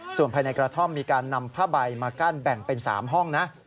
ส่วนภายในกระท่อมมีการนำผ้าใบมากั้นแบ่งเป็น๓ห้องนะ